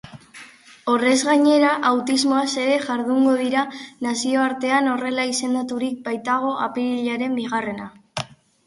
Horrez gainera, autismoaz ere jardungo dira nazioartean horrela izendaturik baitago apirilaren bigarrena.